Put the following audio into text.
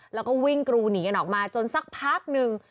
แล้วก็วิ่งกรูหนีกันออกมาจนสักพักหนึ่ง